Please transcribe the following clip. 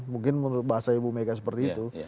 mungkin menurut bahasa ibu mega seperti itu